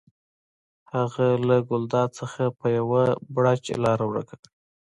هغې له ګلداد نه په یو بړچ لاره ورکه کړه.